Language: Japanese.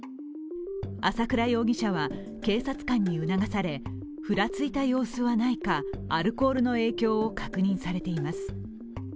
朝倉容疑者は、警察官に促されふらついた様子はないか、アルコールの影響を確認されています。